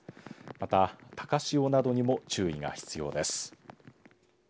また高潮などにも注意が必要です。